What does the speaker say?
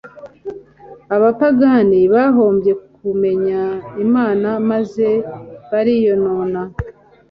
abapagani bahombye kumenya Imana maze bariyonona.